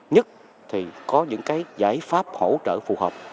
nhất thì có những cái giải pháp hỗ trợ phù hợp